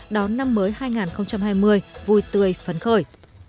đón năm mới hai nghìn hai mươi vui tươi phấn khởi